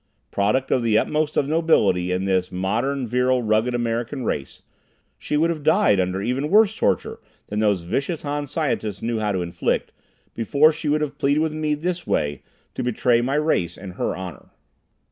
Product of the utmost of nobility in this modern virile, rugged American race, she would have died under even worse torture than these vicious Han scientists knew how to inflict, before she would have pleaded with me this way to betray my race and her honor.